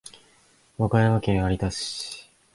和歌山県有田市